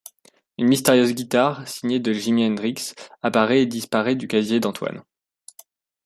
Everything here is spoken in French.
Une mystérieuse guitare, signée de Jimmy Hendrix apparaît et disparaît du casier d'Antoine.